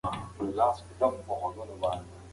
دا یوه جالبه ساینسي تجربه کیدی شي.